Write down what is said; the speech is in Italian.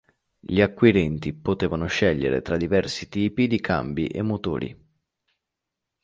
Gli acquirenti potevano scegliere tra diversi tipi di cambi e motori.